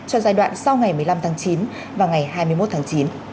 cho giai đoạn sau ngày một mươi năm tháng chín và ngày hai mươi một tháng chín